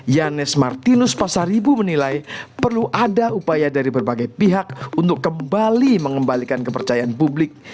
yanes martinus pasaribu menilai perlu ada upaya dari berbagai pihak untuk kembali mengembalikan kepercayaan publik